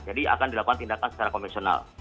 jadi akan dilakukan tindakan secara konvensional